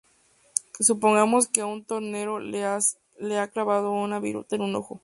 Supongamos que a un tornero se le ha clavado una viruta en un ojo.